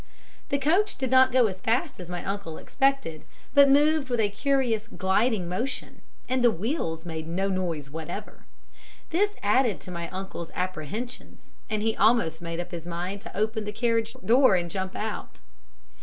"The coach did not go as fast as my uncle expected, but moved with a curious gliding motion, and the wheels made no noise whatever. This added to my uncle's apprehensions, and he almost made up his mind to open the carriage door and jump out.